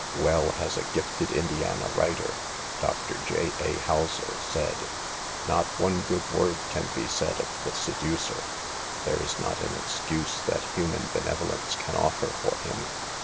Well has a gifted Indiana writer (Dr. J. A. Houser) said :" Not one good word can be said of the seducer; there is not an excuse that human benevolence can offer for him.